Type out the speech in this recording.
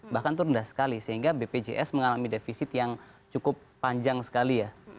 bahkan itu rendah sekali sehingga bpjs mengalami defisit yang cukup panjang sekali ya